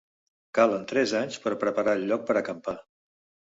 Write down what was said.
Calen tres anys per preparar el lloc per acampar.